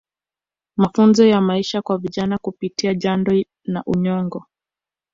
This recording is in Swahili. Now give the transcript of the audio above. Mafunzo ya Maisha kwa Vijana Kupitia Jando na Unyago